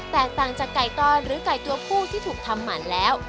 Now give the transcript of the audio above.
แตกต่างจากไก่ตอนหรือไก่ตัวผู้ที่ถูกทำหมันแล้ว